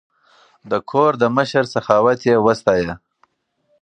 د کوردي مشر سخاوت یې وستایه.